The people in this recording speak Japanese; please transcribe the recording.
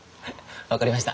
分かりました。